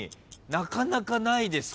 なかなかないです